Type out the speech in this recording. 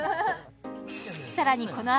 さらにこの秋